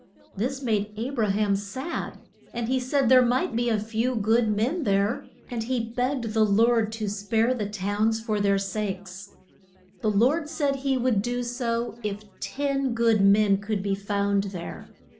This made A bra ham sad, and he said there might be a few good men there, and he begged the Lord to spare the towns for their sakes. The Lord said he would do so if ten good men could be found there.